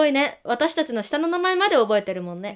私たちの下の名前まで覚えてるもんね。